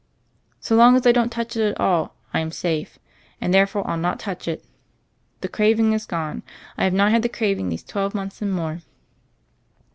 "So long as I don't touch it at all, I am safe; and therefore I'll not touch it. The craving is gone; I have not had the craving these twelve months and more."